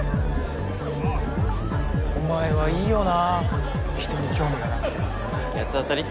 お前はいいよな人に興味がなくて八つ当たり？